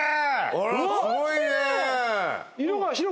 あらすごいね。